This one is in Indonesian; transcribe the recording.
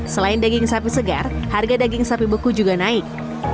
selain daging sapi segar harga daging sapi beku juga naik